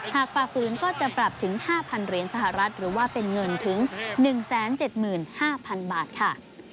ฝ่าฝืนก็จะปรับถึง๕๐๐เหรียญสหรัฐหรือว่าเป็นเงินถึง๑๗๕๐๐๐บาทค่ะ